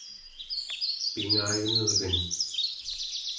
pingayunelgen